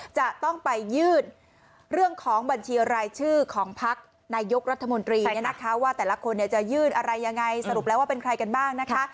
จะต้องไปยื่นเรื่องของบัญชีรายชื่อของพักนายกรัฐมนตรีเนี่ยนะคะว่าแต่ละคนจะยื่นอะไรยังไงสรุปแล้วว่าเป็นใครกันบ้างนะคะ